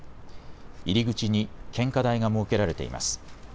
入り口に献花台が設けられています。